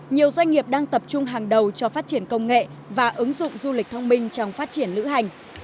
nhiều doanh nghiệp đang tập trung hàng đầu cho phát triển công nghệ và ứng dụng du lịch thông minh trong phát triển lữ hành